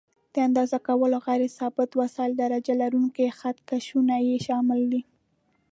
د اندازه کولو غیر ثابت وسایل: درجه لرونکي خط کشونه یې شامل دي.